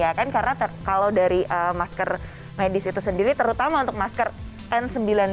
ya kan karena kalau dari masker medis itu sendiri terutama untuk masker n sembilan puluh lima